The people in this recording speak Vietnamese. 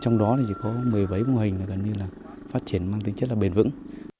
trong đó thì có một mươi bảy mô hình là gần như là phát triển mang tính chất là bền vững